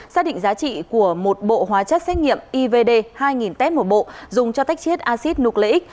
xác định giá trị của một bộ hóa chất xét nghiệm ivd hai nghìn t một b dùng cho tách chết acid nucleic